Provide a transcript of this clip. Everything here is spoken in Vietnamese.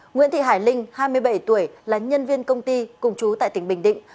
nguyễn thị hải linh hai mươi bảy tuổi là nhân viên công ty cùng chú tại tỉnh bình định